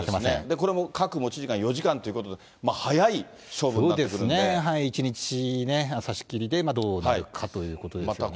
これも各持ち時間４時間ということで、１日、指し切りでどうなるかということですけれどもね。